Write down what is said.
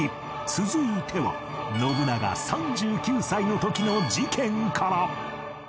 続いては信長３９歳の時の事件から